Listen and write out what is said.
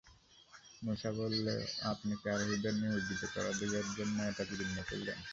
মূসা বলল, আপনি কি আরোহীদের নিমজ্জিত করে দেবার জন্যে এটা বিদীর্ণ করলেন?